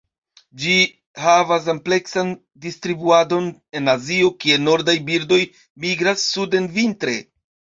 Ĝi havas ampleksan distribuadon en Azio kie nordaj birdoj migras suden vintre.